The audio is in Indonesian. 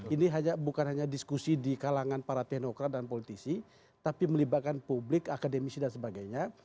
ini bukan hanya diskusi di kalangan para teknokrat dan politisi tapi melibatkan publik akademisi dan sebagainya